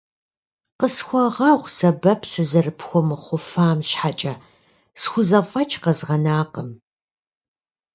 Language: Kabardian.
Къысхуэгъэгъу сэбэп сызэрыпхуэмыхъуфам щхьэкӏэ, схузэфӏэкӏ къэзгъэнакъым.